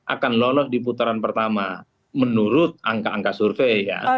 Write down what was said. akan lolos di putaran pertama menurut angka angka survei ya